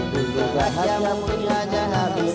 murah dan putih hanya habis